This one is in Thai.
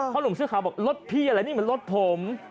หนุ่มเสื้อขาวบอกรถพี่อะไรนี่มันรถผม